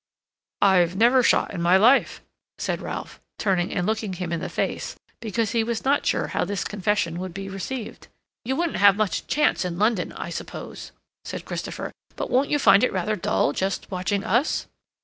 "I've never shot in my life," said Ralph, turning and looking him in the face, because he was not sure how this confession would be received. "You wouldn't have much chance in London, I suppose," said Christopher. "But won't you find it rather dull—just watching us?"